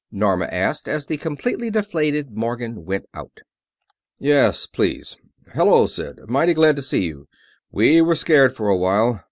Norma asked, as the completely deflated Morgan went out. "Yes, please.... Hello, Sid; mighty glad to see you we were scared for a while.